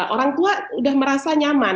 orang tua udah merasa nyaman